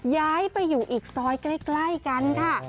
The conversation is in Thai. ย้ายไปอยู่อีกซอยใกล้กันค่ะ